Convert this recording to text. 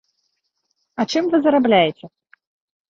А чым вы зарабляеце?